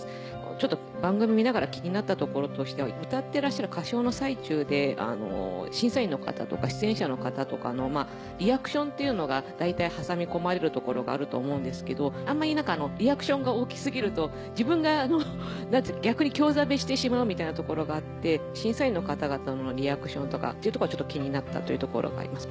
ちょっと番組見ながら気になったところとしては歌ってらっしゃる歌唱の最中で審査員の方とか出演者の方とかのリアクションっていうのが大体挟み込まれるところがあると思うんですけどあんまりリアクションが大き過ぎると自分が逆に興ざめしてしまうみたいなところがあって審査員の方々のリアクションとかっていうところはちょっと気になったというところがあります。